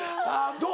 どう？